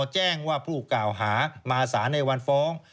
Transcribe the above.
แจ้งว่าผู้กล่าวหามาสารในวันฟ้อง